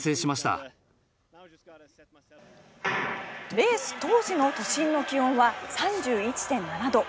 レース当時の都心の気温は３１．７度。